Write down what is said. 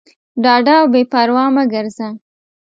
ډاډه او بېپروا مه ګرځه.